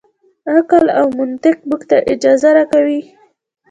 عقل او منطق موږ ته اجازه راکوي.